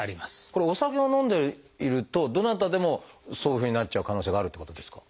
これお酒を飲んでいるとどなたでもそういうふうになっちゃう可能性があるっていうことですか？